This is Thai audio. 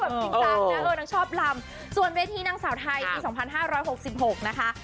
นางชอบลำส่วนเวทีนางสาวไทยปี๒๕๖๖นะคะ